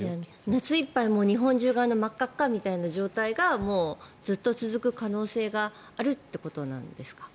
夏いっぱい日本中が真っ赤っかみたいな状態がずっと続く可能性があるということなんですか？